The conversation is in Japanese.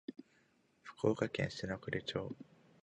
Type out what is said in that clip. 福岡県篠栗町